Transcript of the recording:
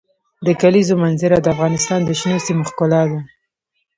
د کلیزو منظره د افغانستان د شنو سیمو ښکلا ده.